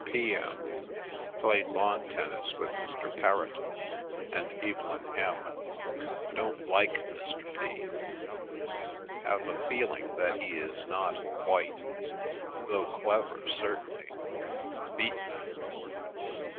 P.M.—Played lawn tennis with Mr. Perrott and Evelyn M. Don't like Mr. P. Have a feeling that he is not 'quite,' though clever certainly. Beat them.